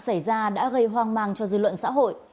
xảy ra đã gây hoang mang cho dư luận xã hội